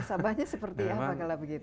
masalahnya seperti ya pak kela begitu